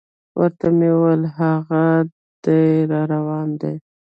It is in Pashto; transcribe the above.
ورته مې وویل: هاغه دی را روان دی.